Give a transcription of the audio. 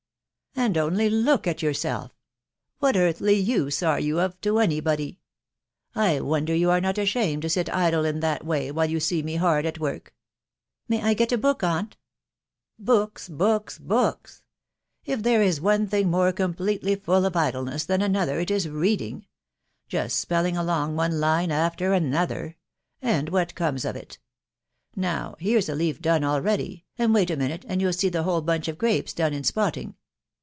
.... And only look at yourself ! What earthly use are yon of to any body ?.... I wonder you are not ashamed to sit idle in that way, while you see me hard at work." " May I get a book, aunt ?" <e Books, books, books !.... If there is one thing more completely full of idleness than another, it is reading, — just spelling along one line after another .... And what comes of it ? Now, here's a leaf done already, and wait a minute and you'll see a whole bunch of grapes done in spotting.